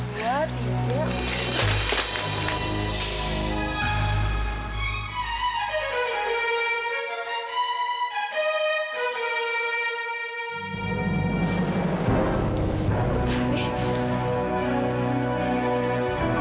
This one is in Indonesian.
satu dua tiga